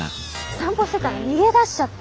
散歩してたら逃げ出しちゃって。